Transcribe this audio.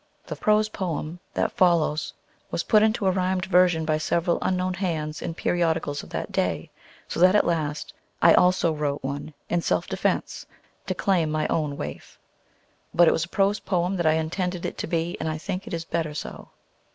The prose poem that follows was put into a rhymed version by several unknown hands in periodicals of that day, so that at last I also wrote one, in self defense, to claim my own waif. But it was a prose poem that I intended it to be, and I think it is better so.